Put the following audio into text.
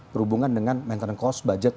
berhubungan dengan maintenant cost budget